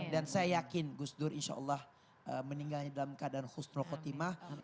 dan saya yakin gus dur insya allah meninggalnya dalam keadaan khusnul khotimah